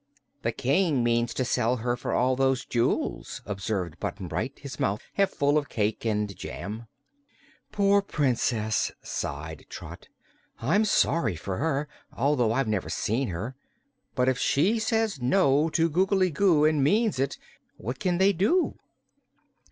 "The King means to sell her for all those jewels," observed Button Bright, his mouth half full of cake and jam. "Poor Princess!" sighed Trot. "I'm sorry for her, although I've never seen her. But if she says no to Googly Goo, and means it, what can they do?"